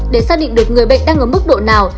để xác định được người bệnh đang ở mức độ nào